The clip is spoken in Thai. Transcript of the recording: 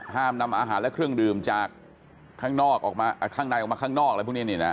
ห้ามนำอาหารและเครื่องดื่มจากข้างนอกออกมาข้างในออกมาข้างนอกอะไรพวกนี้